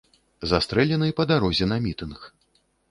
Застрэлены па дарозе на мітынг.